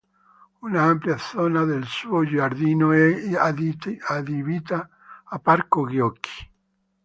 Una ampia zona del suo giardino è adibita a parco giochi.